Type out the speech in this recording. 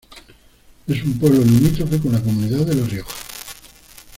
Es un pueblo limítrofe con la comunidad de La Rioja.